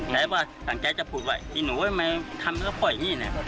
แหละว่าตั้งใจจะพูดไว้ไอ้หนูไว้ทำแล้วพ่ออย่างนี้